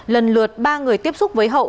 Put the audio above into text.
lần lượt ba người tiếp xúc với hậu